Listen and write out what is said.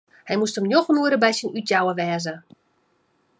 Hy moast om njoggen oere by syn útjouwer wêze.